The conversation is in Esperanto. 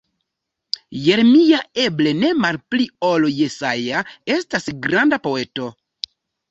Jeremia, eble ne malpli ol Jesaja, estas granda poeto.